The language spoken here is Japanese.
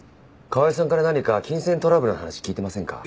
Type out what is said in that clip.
川井さんから何か金銭トラブルの話聞いていませんか？